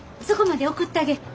そこまで送ったげ。